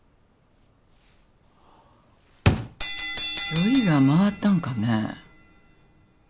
酔いが回ったんかねぇ。